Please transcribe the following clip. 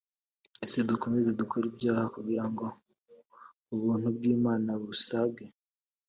Ese dukomeze dukore ibyaha kugira ngo Ubuntu bw’Imana busage